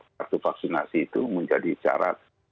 kartu vaksinasi itu menjadi syarat